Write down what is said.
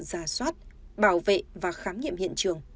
giả soát bảo vệ và khám nghiệm hiện trường